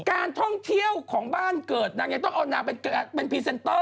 การท่องเที่ยวของบ้านเกิดนางยังต้องเอานางเป็นพรีเซนเตอร์